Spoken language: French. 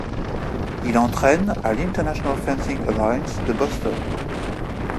Il entraîne à l'International Fencing Alliance de Boston.